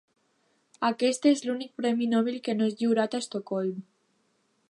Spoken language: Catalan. Aquest és l'únic Premi Nobel que no és lliurat a Estocolm.